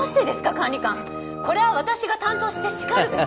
管理官これは私が担当してしかるべき